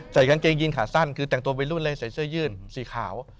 ใส่กางเกงยีนขาสั้นคือแต่งตัววัยรุ่นเลยใส่เสื้อยืดสีขาว